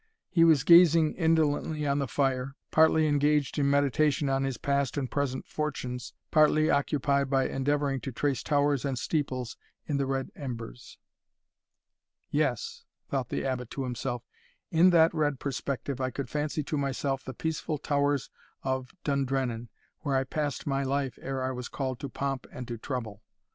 He was gazing indolently on the fire, partly engaged in meditation on his past and present fortunes, partly occupied by endeavouring to trace towers and steeples in the red embers. "Yes," thought the Abbot to himself, "in that red perspective I could fancy to myself the peaceful towers of Dundrennan, where I passed my life ere I was called to pomp and to trouble.